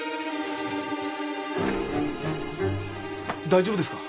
大丈夫ですか？